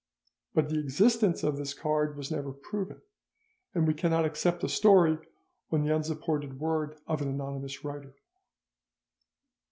But the existence of this card was never proved, and we cannot accept the story on the unsupported word of an anonymous writer.